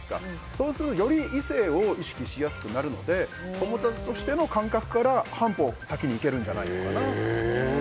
そうすると、より異性を意識しやすくなるので友達としての感覚から半歩先にいけるんじゃないのかなと。